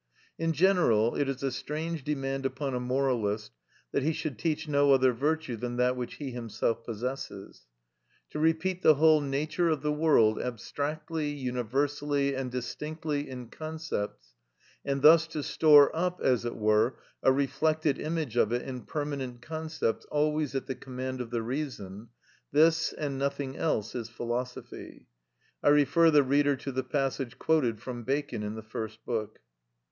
In general, it is a strange demand upon a moralist that he should teach no other virtue than that which he himself possesses. To repeat the whole nature of the world abstractly, universally, and distinctly in concepts, and thus to store up, as it were, a reflected image of it in permanent concepts always at the command of the reason; this and nothing else is philosophy. I refer the reader to the passage quoted from Bacon in the First Book.